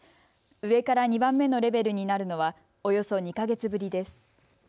上から２番目のレベルになるのはおよそ２か月ぶりです。